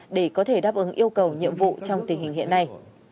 để có thể đáp ứng yêu cầu nhiệm vụ trong tình hình hiện nay